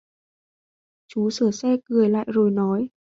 Chú sửa xe cười lại rồi nói